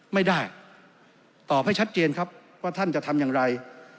ไม่ได้ตอบให้ชัดเจนครับว่าท่านจะทำอย่างไร